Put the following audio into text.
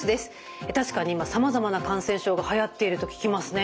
確かに今さまざまな感染症がはやっていると聞きますね。